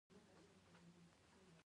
علم له ذهني محدودیتونو خلاصون دی.